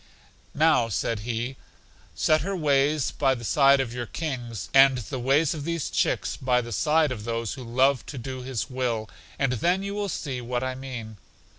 Now, said he, set her ways by the side of your King's, and the ways of these chicks by the side of those who love to do His will, and then you will see what I mean.